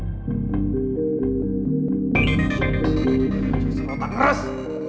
aduh serotan keras